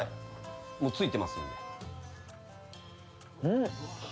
もうついてますんで。